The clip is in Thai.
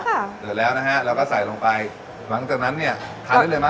แล้วค่ะเดือดแล้วนะฮะแล้วก็ใส่ลงไปหวังจากนั้นเนี่ยทานได้เลยมั้ย